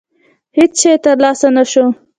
هېڅ شی ترلاسه نه شو.